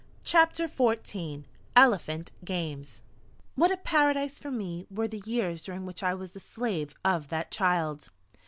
CHAPTER XIV ELEPHANT GAMES What a paradise for me were the years during which I was the Slave of that Child!